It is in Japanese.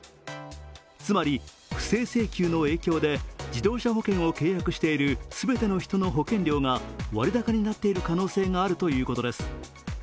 つまり不正請求の影響で自動車保険を契約している全ての人の保険料が割高になっている可能性があるということです。